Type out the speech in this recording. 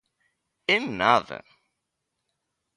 ¡En nada!